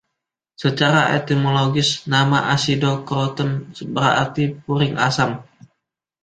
Secara etimologis, nama "Acidocroton" berarti "puring asam".